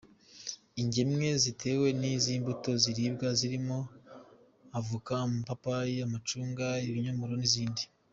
Ingemwe zatewe ni iz’imbuto ziribwa zirimo Avoka, amapapayi, amacunga, ibinyomoro n’izindi.